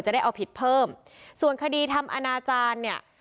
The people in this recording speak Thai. ได้เอาผิดเพิ่มส่วนคดีทำอนาจารย์เนี่ย